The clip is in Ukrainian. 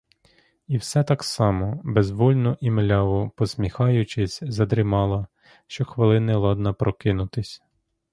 І все так само — безвольно і мляво — посміхаючись, задрімала, щохвилини ладна прокинутись.